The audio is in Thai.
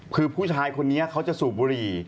คือผู้ชายคนนี้เขาจะสูบบุหรี่